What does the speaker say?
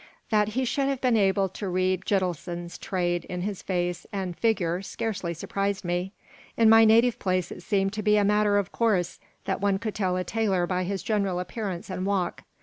That he should have been able to read Gitelson's trade in his face and figure scarcely surprised me. In my native place it seemed to be a matter of course that one could tell a tailor by his general appearance and walk.